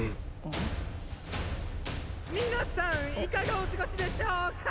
皆さんいかがお過ごしでしょうか